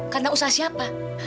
karena usaha siapa